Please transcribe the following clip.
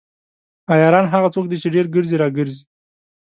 عیاران هغه څوک دي چې ډیر ګرځي راګرځي.